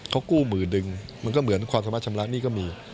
เขากู้๑๐๐๐๐บาทมันก็เหมือนความสมาชมรักษณ์นี้ก็มี